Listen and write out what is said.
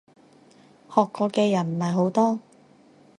學過嘅人唔係好多